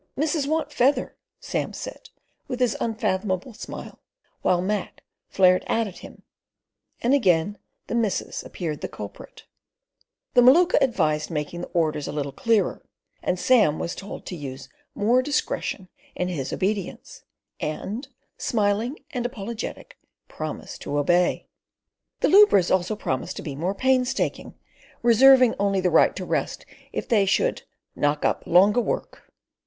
"Missus want feather!" Sam said, with his unfathomable smile, when Mac flared out at him, and again the missus appeared the culprit. The Maluka advised making the orders a little clearer, and Sam was told to use more discretion in his obedience, and, smiling and apologetic, promised to obey. The lubras also promised to be more painstaking, reserving only the right to rest if they should "knock up longa work."